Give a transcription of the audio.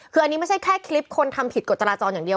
คืออันนี้ไม่ใช่แค่คลิปคนทำผิดกฎจราจรอย่างเดียว